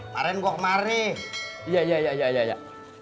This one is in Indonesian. bareng gue kemari iya ya ya ya ya ya